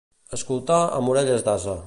Escoltar amb orelles d'ase.